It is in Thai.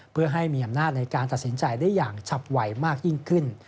เพื่อให้มีอำนาจในการตัดสินใจได้อย่างชับไวมากยิ่งขึ้น